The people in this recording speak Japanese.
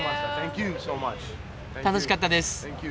楽しかったです。